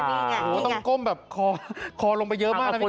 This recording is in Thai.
อ่ะอันนี้ไงต้องก้มแบบคอลงไปเยอะมากนะพี่ก๊อฟ